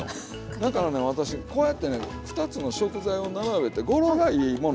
だからね私こうやってね２つの食材を並べて語呂がいいもの。